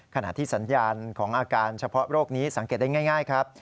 ขณะที่สัญญาณของอาการเฉพาะโรคนี้สังเกตได้ง่ายครับ